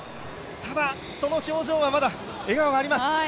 ただ、その表情はまだ笑顔があります。